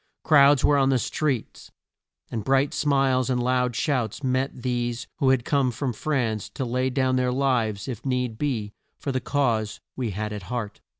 Crowds were on the streets, and bright smiles and loud shouts met these who had come from France to lay down their lives if need be for the cause we had at heart.